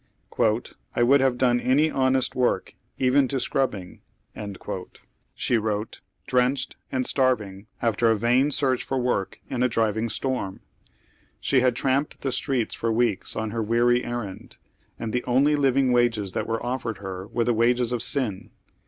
" I would have done any honest work, even to scrubbing," oy Google THE WOEKIWG GIKLS OP NEW YORK. 235 slie wrote, drenclied and starving, after a vain eearcli for work in a driving storm. She liad tramped tlie streets for weeks on her weary errand, and the only living wagea that were offered her were the wagea of sin.